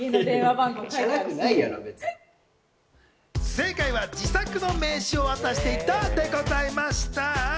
正解は自作の名刺を渡していた、でございました。